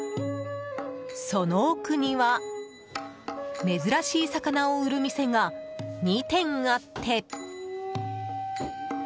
その奥には珍しい魚を売る店が２店あって。